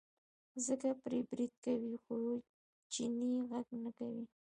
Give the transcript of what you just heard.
خلک پرې برید کوي خو چینی غږ نه کوي.